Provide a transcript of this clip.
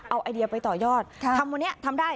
เอาไอเดียไปต่อยอดทำวันนี้ทำได้